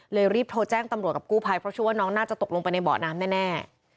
รีบโทรแจ้งตำรวจกับกู้ภัยเพราะเชื่อว่าน้องน่าจะตกลงไปในเบาะน้ำแน่